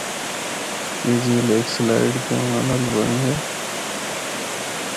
اے جھیل ہک سلائیڈ دے ہونڑا نال بنڑی ہے۔